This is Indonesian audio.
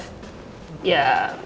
ya seperti itu